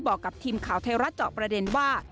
บอกกับทีมข่าวไทยรัฐเจาะประเด็นว่า